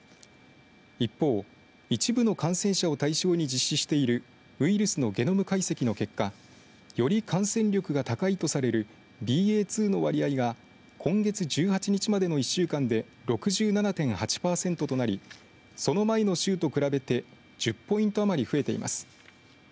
一方、一部の感染者を対象に実施しているウイルスのゲノム解析の結果より感染力が高いとされるＢＡ．２の割合が今月１８日までの１週間で６７．８パーセントとなりその前の週と比べて１０ポイント余り増えています。